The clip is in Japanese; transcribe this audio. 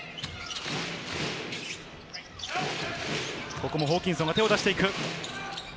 ここもホーキンソンが手を出していく。